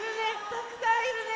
たくさんいるね。